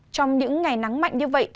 trong những ngày nắng mạnh như vậy